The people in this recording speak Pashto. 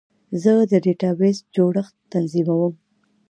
زه د ډیټابیس جوړښت تنظیموم.